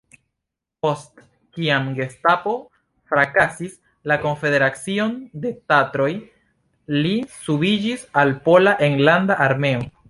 Post kiam gestapo frakasis la Konfederacion de Tatroj li subiĝis al Pola Enlanda Armeo.